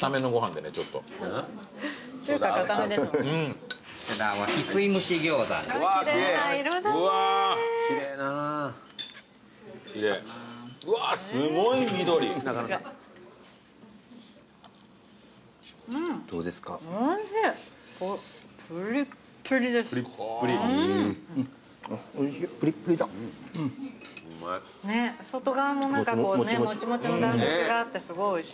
ねっ外側も何かこうねもちもちの弾力があってすごいおいしい。